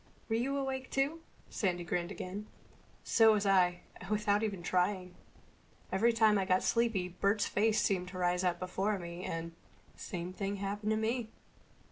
"Were you awake too?" Sandy grinned again. "So was I—and without even trying. Every time I got sleepy Bert's face seemed to rise up before me and—" "Same thing happened to me."